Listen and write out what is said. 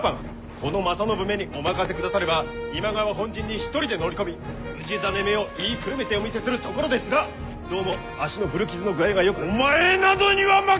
この正信めにお任せくだされば今川本陣に一人で乗り込み氏真めを言いくるめてお見せするところですがどうも足の古傷の具合がよくなく。